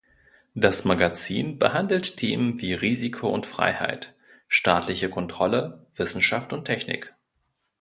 Das Magazin behandelt Themen wie Risiko und Freiheit, staatliche Kontrolle, Wissenschaft und Technik.